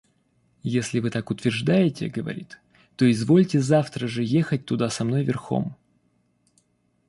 — Если вы так утверждаете, — говорит, — то извольте завтра же ехать туда со мной верхом...